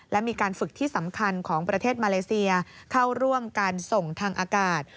และมีการฝึกที่สำคัญของประเทศมาเลเซียเข้าร่วมการส่งทางอากาศ